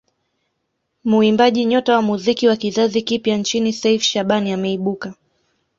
Muimbaji nyota wa muziki wa kizazi kipya nchini Seif Shabani ameibuka